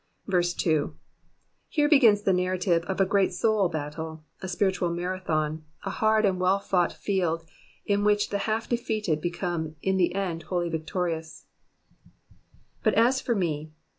2. Here begins the narrative of a great soul battle, a spiritual Marathon, a hard and well fought field, in which the half defeated became in the end wholly victorious, ^''But as for me.